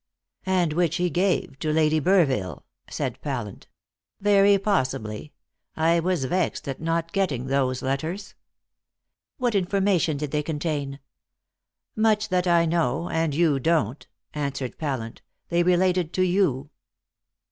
"And which he gave to Lady Burville," said Pallant. "Very possibly. I was vexed at not getting those letters." "What information did they contain?" "Much that I know, and you don't," answered Pallant; "they related to you."